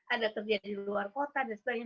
ada kerja di luar kota dan